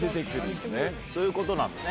そういうことなのね。